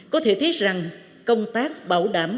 có thể thấy rằng công tác bảo đảm